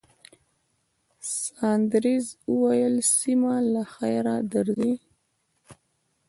ساندرز وویل، سېمه، له خیره درځئ.